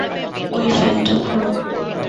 ঐ ফাইলটা খোলো।